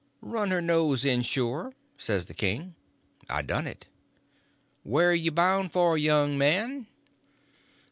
"Run her nose in shore," says the king. I done it. "Wher' you bound for, young man?"